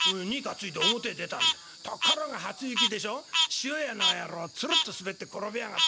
塩屋の野郎ツルッと滑って転びやがってさ」。